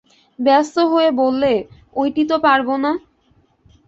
ব্যস্ত হয়ে বললে, ঐটি তো পারব না।